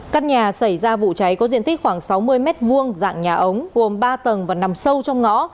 căn nhà xảy ra vụ cháy có diện tích khoảng sáu mươi m hai dạng nhà ống gồm ba tầng và nằm sâu trong ngõ